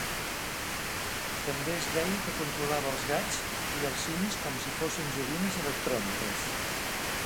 També es deia que controlava els gats i els simis com si fossin joguines electròniques.